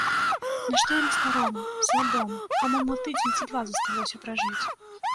Нашто яны старому, слабому, каму мо тыдзень ці два засталося пражыць?